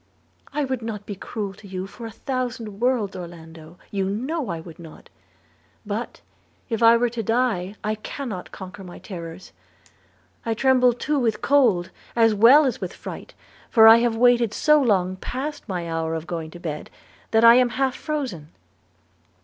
'I would not be cruel to you for a thousand worlds, Orlando, you know I would not. But, if I were to die, I cannot conquer my terrors. I tremble too with cold as well as with fright; for I have waited so long past my hour of going to bed, that I am half frozen.'